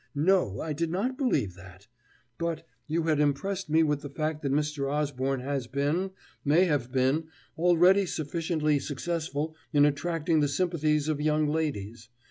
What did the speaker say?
No, I did not believe that. But you had impressed me with the fact that Mr. Osborne has been, may have been, already sufficiently successful in attracting the sympathies of young ladies.